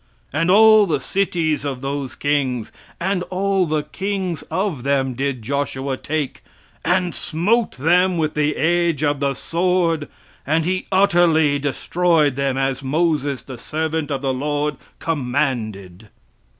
"And all the cities of those kings, and all the kings of them, did Joshua take, and smote them with the edge of the sword, and he utterly destroyed them, as Moses, the servant of the Lord, commanded.